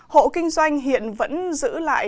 hộ kinh doanh hiện vẫn giữ lại